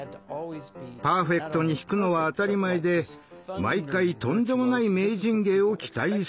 パーフェクトに弾くのは当たり前で毎回とんでもない名人芸を期待される。